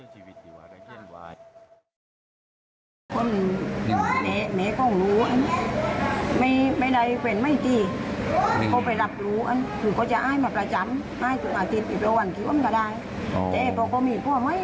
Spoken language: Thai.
สักสิบวันหรือสักวันบางทีไปหาลูกเขาให้มาสักคนบอกว่าคิดถึงลูก